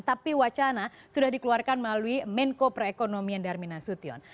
tapi wacana sudah dikeluarkan melalui menko perekonomian darminasution